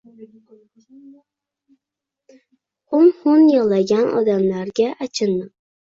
Xun-xun yig‘-lagan odamlarga achindim-